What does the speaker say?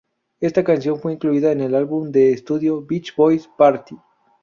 Esta canción fue incluida en el álbum de estudio "Beach Boys' Party!